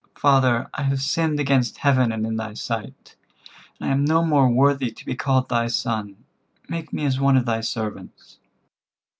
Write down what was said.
Father, I have sinned against Heaven and in thy sight, and am no more worthy to be called thy son; make me as one of thy servants."